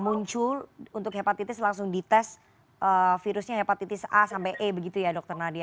muncul untuk hepatitis langsung dites virusnya hepatitis a sampai e begitu ya dokter nadia